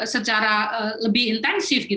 secara lebih intensif